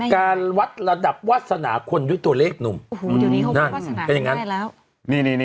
การวัดระดับวาสนาคนด้วยตัวเลขหนุ่มนั่นเป็นอย่างนั้น